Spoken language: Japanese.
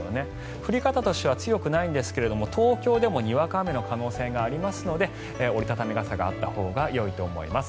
降り方としては強くないんですが東京でもにわか雨の可能性がありますので折り畳み傘があったほうがよいと思います。